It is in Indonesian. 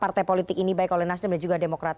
partai politik ini baik oleh nasdem dan juga demokrat